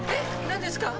何ですか？